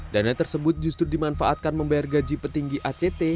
dana tersebut justru dimanfaatkan membayar gaji petinggi act